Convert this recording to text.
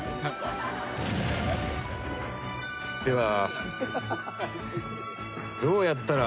では。